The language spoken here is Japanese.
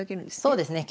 そうですね。